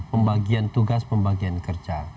pembagian tugas pembagian kerja